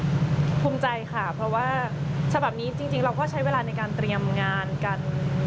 ก็ภูมิใจค่ะเพราะว่าฉบับนี้จริงเราก็ใช้เวลาในการเตรียมงานกัน